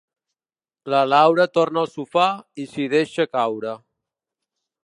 La Laura torna al sofà i s'hi deixa caure.